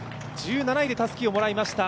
１７位でたすきをもらいました